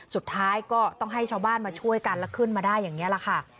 สุดท้ายก็ต้องให้ชาวบ้านมาช่วยกันแล้วขึ้นมาได้อย่างนี้แหละค่ะ